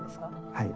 はい。